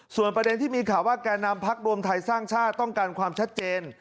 ส่วนประเด็นที่มีข่าวว่าแก่นำพักรวมไทยสร้างชาติต้องการความชัดเจน